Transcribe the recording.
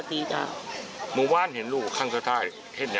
ยังเชื่อว่าลูกมีชีวิตอยู่และอยากให้ปฏิหารเกิดขึ้นค่ะ